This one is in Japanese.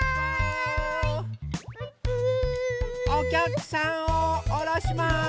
おきゃくさんをおろします。